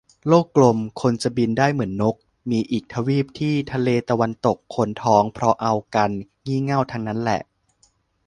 โลกกลม คนจะบินได้เหมือนนก มีอีกทวีปที่ทะเลตะวันตก คนท้องเพราะเอากัน งี่เง่าทั้งนั้นแหละ